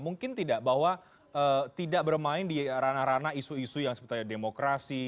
mungkin tidak bahwa tidak bermain di ranah ranah isu isu yang sebetulnya demokrasi